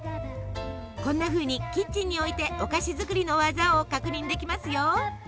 こんなふうにキッチンに置いてお菓子作りの技を確認できますよ。